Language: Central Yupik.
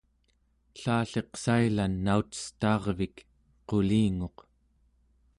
ellalliqsailan naucetaarvik qulinguq